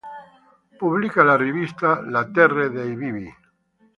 Pubblica la rivista "La terra dei vivi".